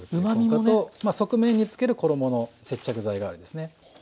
側面につける衣の接着剤代わりですね。